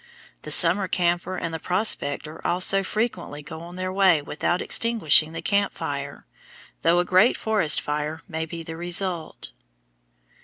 The summer camper and the prospector also frequently go on their way without extinguishing the camp fire, though a great forest fire may be the result.